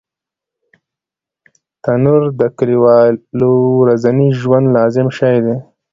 تنور د کلیوالو ورځني ژوند لازم شی دی